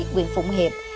quyền phụng hiệp